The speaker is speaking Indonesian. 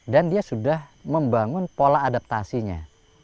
dan dia sudah membangun pola adaptasinya